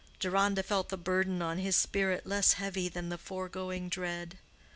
Deronda felt the burden on his spirit less heavy than the foregoing dread.